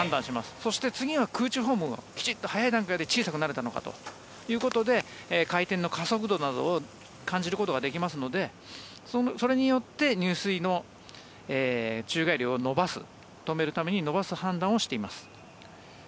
そして、次が空中フォームきちんと早い段階で小さくなれたのかということで回転の加速度などを感じることができますのでそれによって入水の宙返りを伸ばす止めるために伸ばす判断をしています。